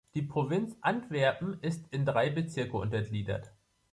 Die Provinz Antwerpen ist in drei Bezirke untergliedert.